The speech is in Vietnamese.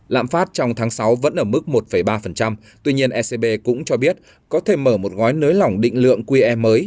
lạm phát trong tháng sáu vẫn ở mức một ba tuy nhiên ecb cũng cho biết có thể mở một ngói nới lỏng định lượng qe mới